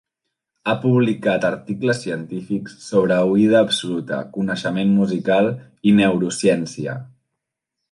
Ha publicat articles científics sobre oïda absoluta, coneixement musical i neurociència.